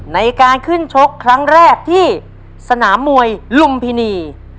ในการขึ้นชกครั้งแรกที่สนามมวยลุมพินี